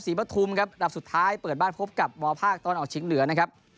สีพะทุมครับดับสุดท้ายเปิดบ้านพบกับมภาคตอนออกชิ้นเหลือนะครับ